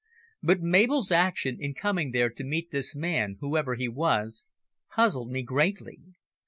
But Mabel's action in coming there to meet this man, whoever he was, puzzled me greatly.